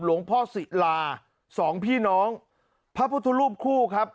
หลวงพ่อศิลาสองพี่น้องพระพุทธรูปคู่ครับ